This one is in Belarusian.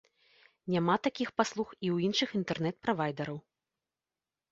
Няма такіх паслуг і ў іншых інтэрнэт-правайдараў.